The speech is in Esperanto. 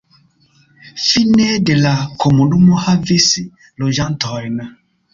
La Fine de la komunumo havis loĝantojn.